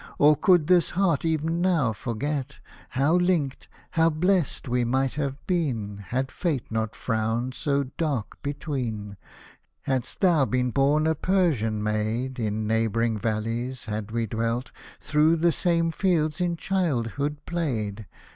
Or could this heart ev'n now forget How linked, how blessed we might have been, Had fate not frowned so dark between ! Hadst thou been born a Persian maid. In neighbouring valleys had we dwelt. Through the same fields in childhood played.